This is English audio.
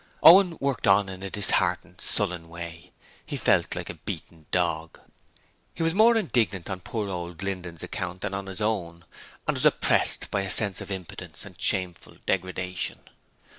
Owen worked on in a disheartened, sullen way. He felt like a beaten dog. He was more indignant on poor old Linden's account than on his own, and was oppressed by a sense of impotence and shameful degradation.